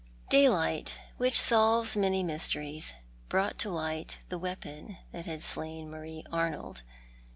Daylight, which solves many mysteries, brought to light the weapon that had slain :\Iarie Arnold.